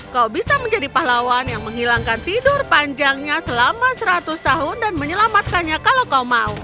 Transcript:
kau bisa menjadi pahlawan yang menghilangkan tidur panjangnya selama seratus tahun dan menyelamatkannya kalau kau mau